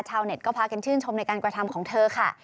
ชาวเน็ตก็พากันชื่นชมในการกระทำของเธอค่ะ